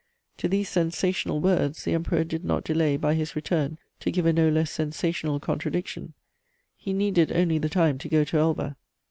To these sensational words the Emperor did not delay, by his return, to give a no less sensational contradiction: he needed only the time to go to Elba.